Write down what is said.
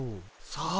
さあ。